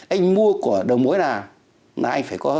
anh mua của đồng mối nào là anh phải có hợp đồng